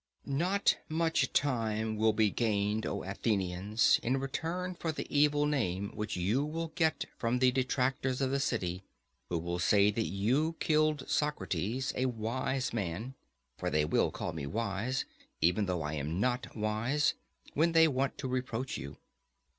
Not much time will be gained, O Athenians, in return for the evil name which you will get from the detractors of the city, who will say that you killed Socrates, a wise man; for they will call me wise, even although I am not wise, when they want to reproach you.